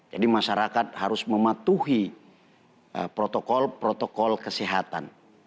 jadi masyarakat harus mematuhi protokol protokol kesehatan